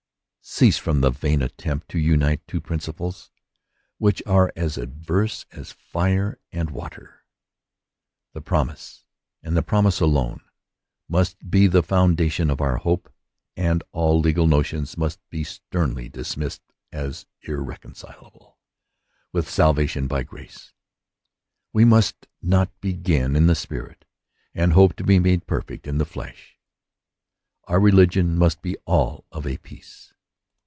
Cease from the vain attempt to unite two principles which are as adverse as fire and water. The promise^ and the promise alone, must be the foundation of our hope, and all legal notions must be sternly dismissed as irreconcilable with salvation by grace. We must not begin in the spirit, and hope to be made perfect in the flesh. Our religion must be all of a piece.